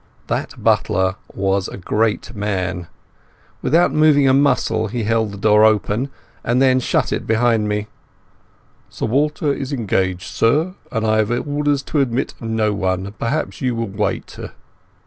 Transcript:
That butler was a great man. Without moving a muscle he held the door open, and then shut it behind me. "Sir Walter is engaged, sir, and I have orders to admit no one. Perhaps you will wait."